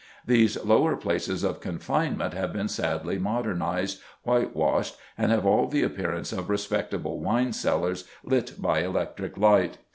These lower places of confinement have been sadly modernised, white washed, and have all the appearance of respectable wine cellars, lit by electric light.